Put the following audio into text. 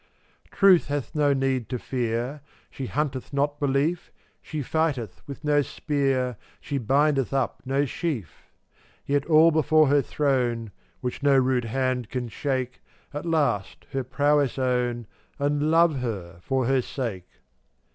450 Truth hath no need to fear; She hunteth not belief, She flghteth with no spear, She bindeth up no sheaf; Yet all before her throne (Which no rude hand can shake) At last her prowess own, And love her for her sake.